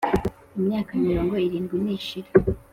Imyaka mirongo irindwi nishira,